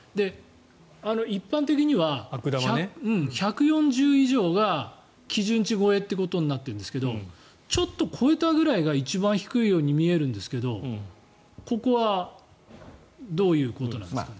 一般的には１４０以上が基準値超えとなっているんですがちょっと超えたくらいが一番低いように見えるんですけどここはどういうことなんですか。